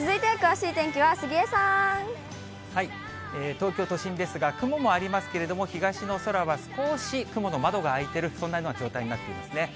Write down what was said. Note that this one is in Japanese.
東京都心ですが、雲もありますけれども、東の空は少し雲の窓が開いてる、そんなような状態になっていますね。